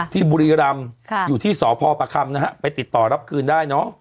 บุรีรำอยู่ที่สพประคำนะฮะไปติดต่อรับคืนได้เนอะ